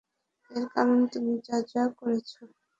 এর কারন তুমি যা যা করেছো।